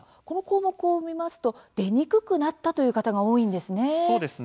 この項目を見ますと出にくくなったという方が多いんですね。